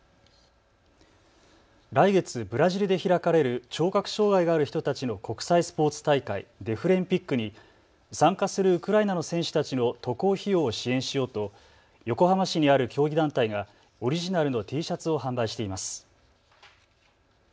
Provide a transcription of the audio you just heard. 来月ブラジルで開かれる聴覚障害がある人たちの国際スポーツ大会、デフリンピックに参加するウクライナの選手たちの渡航費用を支援しようと横浜市にある競技団体がオリジナルのＴシャツを販売しています。